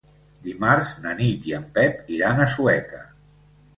Dimarts na Nit i en Pep iran a Sueca.